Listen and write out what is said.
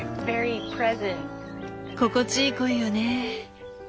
心地いい声よね。